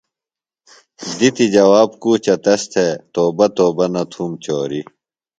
دِتیۡ جواب کوچہ تس تھےۡ، توبہ توبہ نہ تُھوم چوریۡ